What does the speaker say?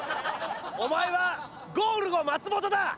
お前はゴールゴ松本だ！